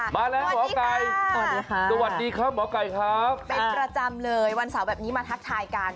มาแล้วหมอไก่สวัสดีค่ะสวัสดีครับหมอไก่ครับเป็นประจำเลยวันเสาร์แบบนี้มาทักทายกัน